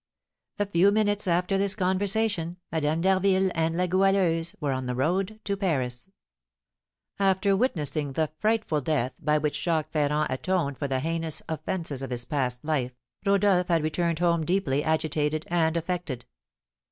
A few minutes after this conversation, Madame d'Harville and La Goualeuse were on the road to Paris. After witnessing the frightful death by which Jacques Ferrand atoned for the heinous offences of his past life, Rodolph had returned home deeply agitated and affected.